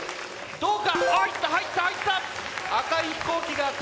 どうか！